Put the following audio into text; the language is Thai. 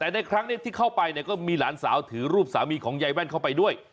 แต่ในครั้งนี้ที่เข้าไปเนี่ยก็มีหลานสาวถือรูปสามีของยายแว่นเข้าไปด้วย